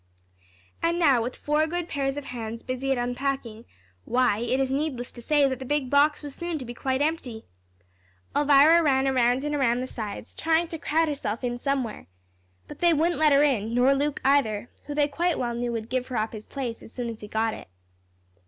And now, with four good pairs of hands busy at unpacking, why, it is needless to say that the big box was soon to be quite empty. Elvira ran around and around the sides, trying to crowd herself in somewhere. But they wouldn't let her in, nor Luke either, who they quite well knew would give her up his place as soon as he got it.